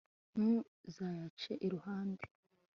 ntuzayace iruhande